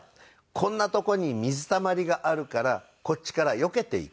こんな所に水たまりがあるからこっちからよけていこう。